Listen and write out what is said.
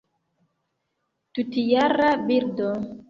Tutjara birdo.